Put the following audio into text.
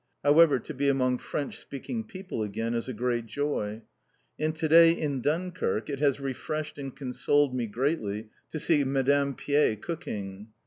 However, to be among French speaking people again is a great joy. And to day in Dunkirk it has refreshed and consoled me greatly to see Madame Piers cooking.